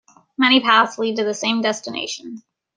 Many paths lead to the same destination.